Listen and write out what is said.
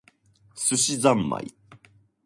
寿司ざんまい